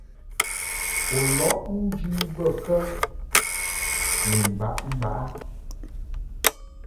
U lɔʼ njɨ bə kə ni mbaʼmbaʼ ?